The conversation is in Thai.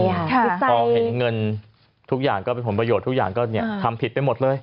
พอเห็นเงินทุกอย่างก็เป็นผลประโยชน์ทุกอย่างก็ทำผิดไปหมดเลย